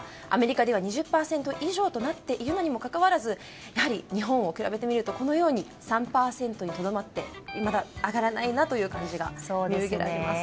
アメリカでは２０％以上となっているにもかかわらずやはり日本を比べてみると３％にとどまっていまだ上がらない感じがあります。